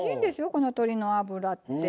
この鶏の脂って。